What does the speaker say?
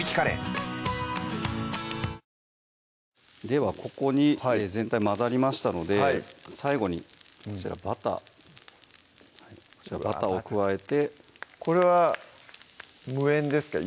ではここに全体混ざりましたので最後にこちらバターバターを加えてこれは無塩ですか？